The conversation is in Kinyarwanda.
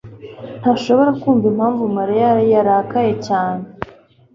ntashobora kumva impamvu Mariya yarakaye cyane.